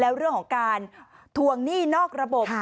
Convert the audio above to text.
แล้วเรื่องของการทวงหนี้นอกระบบ